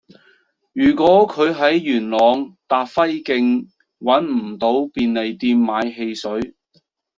如果佢喺元朗達輝徑搵唔到便利店買汽水